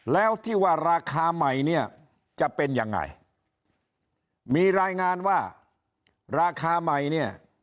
แล้วที่ว่าราคาใหม่เนี่ยจะเป็นยังไงมีรายงานว่าราคาใหม่เนี่ย